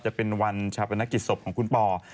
จะเป็นวันฉับอนาคตสบของคุณปอล์